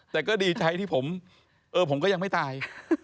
แต่ก็ดีใจที่ผมผมก็ยังไม่ตาย